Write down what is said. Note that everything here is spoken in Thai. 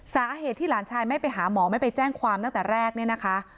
สาเหตุที่หลานชายไม่ไปหาหมอไม่ไปแจ้งความตั้งแต่แรกเนี่ยนะคะ